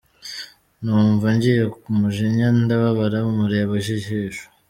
Numva ngize umujinya , ndababara mureba ikijisho.